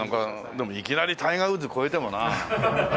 でもいきなりタイガー・ウッズ超えてもなあ。